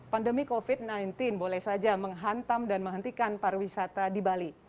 pandemi covid sembilan belas boleh saja menghantam dan menghentikan pariwisata di bali